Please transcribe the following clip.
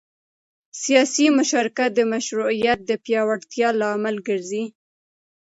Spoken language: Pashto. سیاسي مشارکت د مشروعیت د پیاوړتیا لامل ګرځي